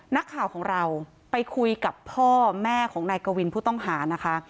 นักข่าวของเราไปคุยกับพ่อแม่ของนายกวินผู้ต้องหานะคะ